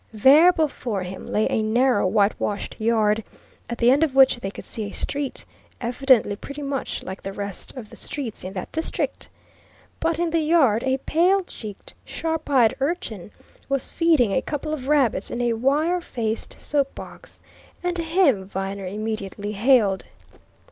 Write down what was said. There before him lay a narrow whitewashed yard, at the end of which they could see a street, evidently pretty much like the rest of the streets in that district. But in the yard a pale cheeked, sharp eyed urchin was feeding a couple of rabbits in a wire faced soap box, and him Viner immediately hailed.